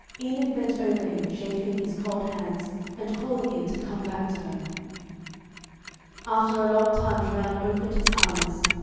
Enid bent over him, chafing his cold hands, and calling him to come back to her. After a long time Geraint opened his eyes.